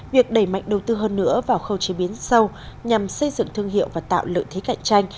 việc đẩy mạnh đầu tư hơn nữa vào khâu chế biến sâu nhằm xây dựng thương hiệu và tạo lợi thế cạnh tranh